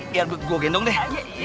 biar gua gendong deh